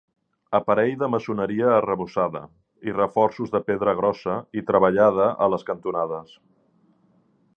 Aparell de maçoneria arrebossada i reforços de pedra grossa i treballada a les cantonades.